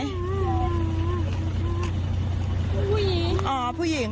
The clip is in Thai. ผู้หญิงอ๋อผู้หญิง